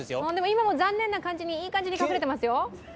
今も残念な感じにいい感じに隠れてますよ。